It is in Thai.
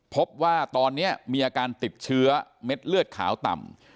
พบว่าตอนนี้มีอาการติดเชื้อเม็ดเลือดขาวต่ำ